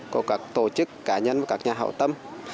của các tổ chức cá nhân và các nhà hảo tâm